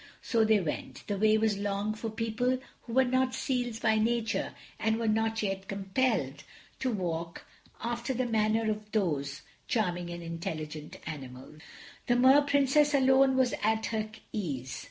So they went. The way was long for people who were not seals by nature and were not yet compelled to walk after the manner of those charming and intelligent animals. The Mer Princess alone was at her ease.